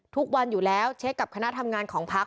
ทุกวันอยู่แล้วเช็คกับคณะทำงานของพัก